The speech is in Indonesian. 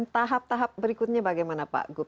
tahap tahap berikutnya bagaimana pak gup